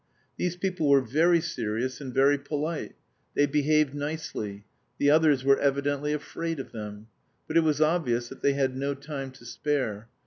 These people were very serious and very polite; they behaved nicely; the others were evidently afraid of them; but it was obvious that they had no time to spare.